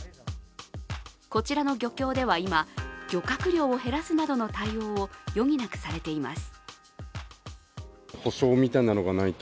こちらの漁協では今、漁獲量を減らすなどの対応を余儀なくされています。